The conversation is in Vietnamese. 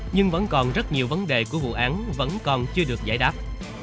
nhưng vẫn còn rất nhiều vấn đề của vụ án vẫn còn chưa được giải đáp